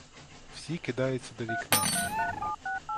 Всі кидаються до вікна.